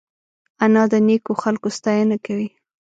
انا د نیکو خلکو ستاینه کوي